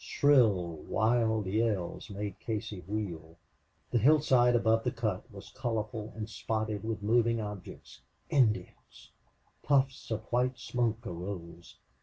Shrill wild yells made Casey wheel. The hillside above the cut was colorful and spotted with moving objects. Indians! Puffs of white smoke arose.